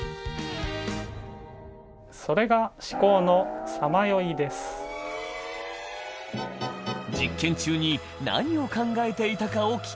それが実験中に何を考えていたかを聞くと。